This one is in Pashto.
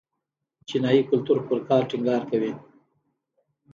چینايي کلتور پر کار ټینګار کوي.